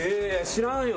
知らんよ